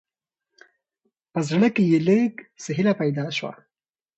په زړه، کې يې لېږ څه هېله پېدا شوه.